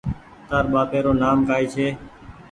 تاَر ٻهاپيرو نآم ڪائي ڇي